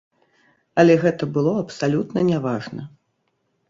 Але гэта было абсалютна няважна.